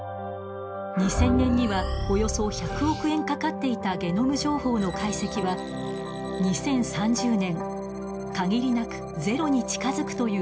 ２０００年にはおよそ１００億円かかっていたゲノム情報の解析は２０３０年限りなくゼロに近づくという試算もあります。